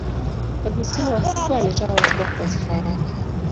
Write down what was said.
Augustino wa Hippo alitoa hotuba kwa sifa yake.